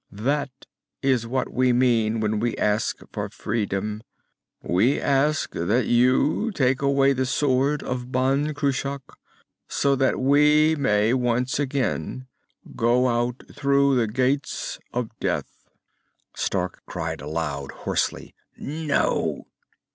"That is what we mean when we ask for freedom. We ask that you take away the sword of Ban Cruach, so that we may once again go out through the Gates of Death!" Stark cried aloud, hoarsely, "_No!